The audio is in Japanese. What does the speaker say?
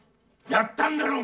やったんだろう？